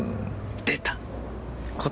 出た！